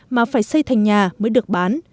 mà phải xây thành nhà mới được bán